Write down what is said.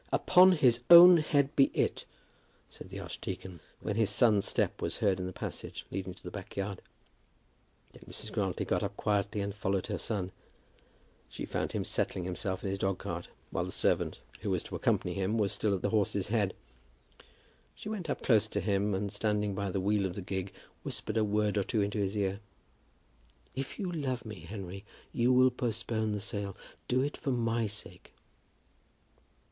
"Upon his own head be it," said the archdeacon when his son's step was heard in the passage leading to the back yard. Then Mrs. Grantly got up quietly and followed her son. She found him settling himself in his dog cart, while the servant who was to accompany him was still at the horse's head. She went up close to him, and, standing by the wheel of the gig, whispered a word or two into his ear. "If you love me, Henry, you will postpone the sale. Do it for my sake."